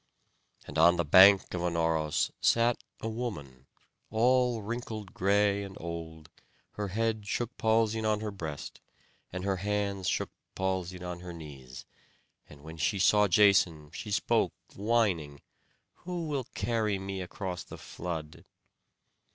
And on the bank of Anauros sat a woman, all wrinkled gray, and old; her head shook palsied on her breast, and her hands shook palsied on her knees; and when she saw Jason, she spoke whining: "Who will carry me across the flood?"